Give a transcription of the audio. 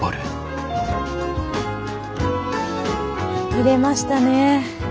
見れましたね。